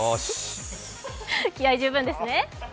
気合い十分ですね。